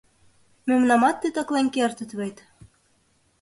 Мемнамат титаклен кертыт вет...